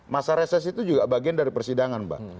masa reses itu juga bagian dari persidangan mbak